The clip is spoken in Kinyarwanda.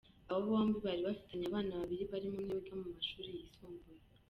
Aba bombi bari bafitanye abana babiri barimo umwe wiga mu mashuri yisumbuye.